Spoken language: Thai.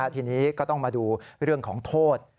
ทีนี้ก็ต้องมาดูเรื่องของโทษ